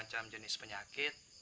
banyak macam jenis penyakit